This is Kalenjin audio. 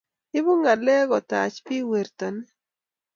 ibu ngaleek kotaj biik wertoni